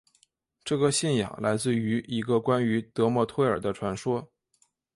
这个信仰来自一个关于得墨忒耳的传说。